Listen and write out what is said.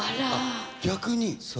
逆に。